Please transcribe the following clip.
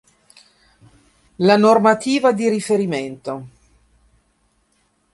La normativa di riferimento